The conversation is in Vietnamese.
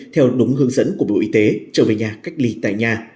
theo đúng hướng dẫn của bộ y tế trở về nhà cách ly tại nhà